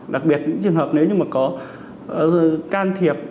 đặc biệt những trường hợp nếu như mà có can thiệp